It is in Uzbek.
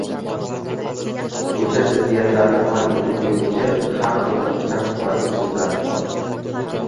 o‘sha ziddiyatlarni hal etib beruvchi har turli ixcham hikmatli so‘zlarni qadrlayman.